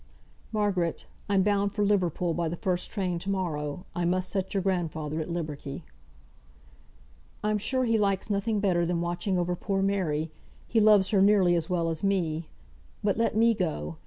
"Margaret, I'm bound for Liverpool by the first train to morrow; I must set your grandfather at liberty." "I'm sure he likes nothing better than watching over poor Mary; he loves her nearly as well as me. But let me go!